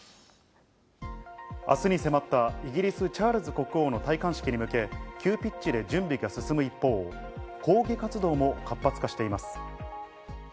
明日に迫ったイギリスのチャールズ国王の戴冠式に向け、急ピッチで準備が進む一方、抗議活動も活発化しています。